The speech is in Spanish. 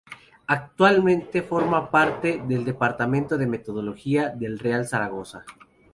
Actualmente forma parte del departamento de metodología del Real Zaragoza.